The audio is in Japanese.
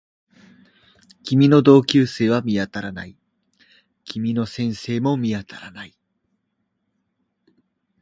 君の同級生は見当たらない。君の先生も見当たらない